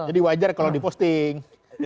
jadi wajar kalau diposting